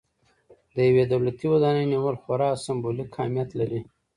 د یوې دولتي ودانۍ نیول خورا سمبولیک اهمیت لري.